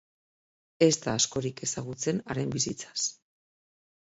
Ez da askorik ezagutzen haren bizitzaz.